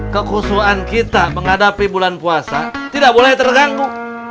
kekhusuan kita menghadapi bulan puasa tidak boleh terganggu